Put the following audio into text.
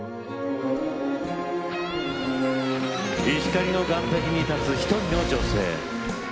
石狩の岸壁に立つ一人の女性。